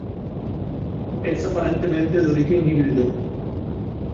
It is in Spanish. Es aparentemente de origen híbrido.